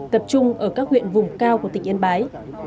tập trung ở các huyện vùng cao của tỉnh yên bái